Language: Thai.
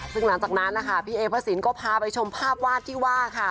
ซึ่งหลังจากนั้นนะคะพี่เอพระสินก็พาไปชมภาพวาดที่ว่าค่ะ